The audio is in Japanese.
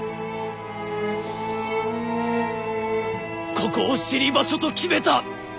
ここを死に場所と決めた！